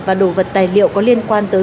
và đồ vật tài liệu có liên quan tới